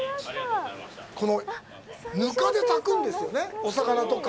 ぬかで炊くんですよね、お魚とか。